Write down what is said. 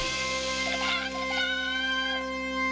ขอบคุณครับ